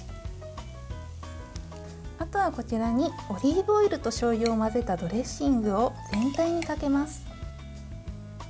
あとは、こちらにオリーブオイルとしょうゆを混ぜたドレッシングを全体にかけます。